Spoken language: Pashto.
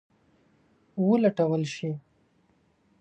ولټول شي.